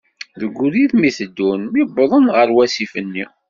Deg ubrid mi teddun, mi d uwḍen ɣer wasif-nni.